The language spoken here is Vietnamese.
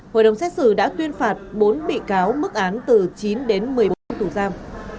hội đồng xét xử đã tuyên phạt bốn bị cáo mức án từ chín đến một mươi bốn năm tù giam